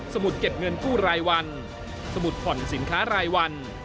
มุดเก็บเงินกู้รายวันสมุดผ่อนสินค้ารายวัน